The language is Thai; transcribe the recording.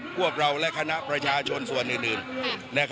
พวกเราและคณะประชาชนส่วนอื่น